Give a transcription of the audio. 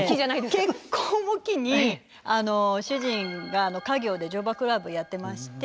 結婚を機に主人が家業で乗馬クラブやってまして。